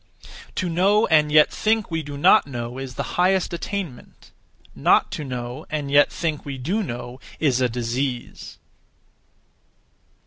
To know and yet (think) we do not know is the highest (attainment); not to know (and yet think) we do know is a disease.